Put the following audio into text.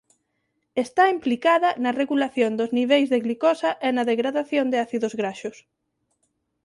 Está implicada na regulación dos niveis de glicosa e na degradación de ácidos graxos.